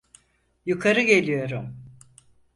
Yukarı geliyorum.